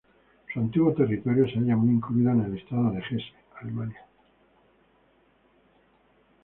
Su antiguo territorio se halla hoy incluido en el estado de Hesse, Alemania.